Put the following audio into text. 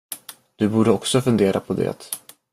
Du borde också fundera på det.